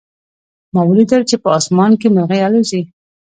ما ولیدل چې په آسمان کې مرغۍ الوزي